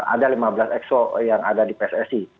ada lima belas exo yang ada di pssi